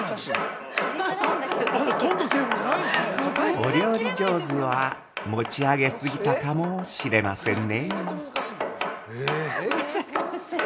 ◆お料理上手は持ち上げ過ぎたかもしれませんね。